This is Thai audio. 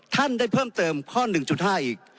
ท่านได้เพิ่มเติมข้อ๑๕อีก